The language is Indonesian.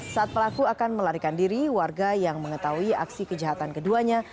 saat pelaku akan melarikan diri warga yang mengetahui aksi kejahatan keduanya